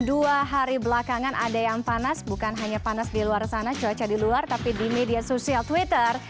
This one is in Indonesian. dua hari belakangan ada yang panas bukan hanya panas di luar sana cuaca di luar tapi di media sosial twitter